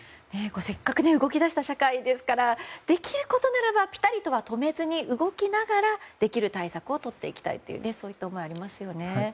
せっかく動き出した社会ですからできることならばぴたりとは止めずに動きながらできる対策をとっていきたいというそういった思いありますよね。